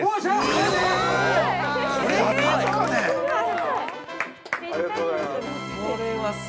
ありがとうございます。